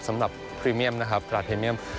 สำหรับพรีเมียมนะครับพราเทเมียม